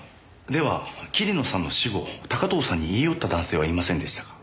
では桐野さんの死後高塔さんに言い寄った男性はいませんでしたか？